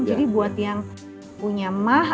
jadi buat yang punya mah